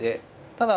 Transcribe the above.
ただ